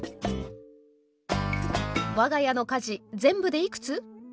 「我が家の家事全部でいくつ？」。